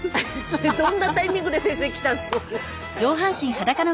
どんなタイミングで先生来たの！？